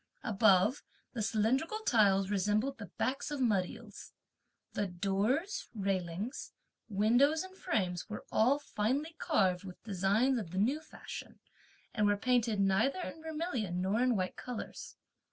Above, the cylindrical tiles resembled the backs of mud eels. The doors, railings, windows, and frames were all finely carved with designs of the new fashion, and were painted neither in vermilion nor in white colours.